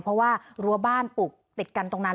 เพราะว่ารั้วบ้านปลูกติดกันตรงนั้น